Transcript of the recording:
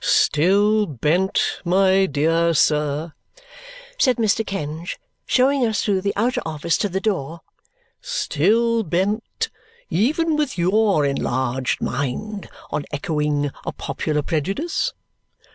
"Still bent, my dear sir," said Mr. Kenge, showing us through the outer office to the door, "still bent, even with your enlarged mind, on echoing a popular prejudice?